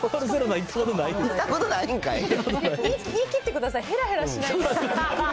言い切ってください、へらへらしないで。